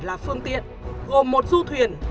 là phương tiện gồm một du thuyền